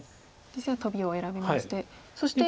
実戦はトビを選びまして。